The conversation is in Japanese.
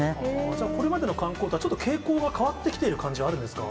じゃあこれまでの観光とは、ちょっと傾向が変わってきている感じ、あるんですか。